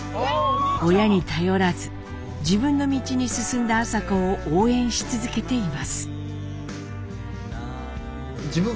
親に頼らず自分の道に進んだ麻子を応援し続けています。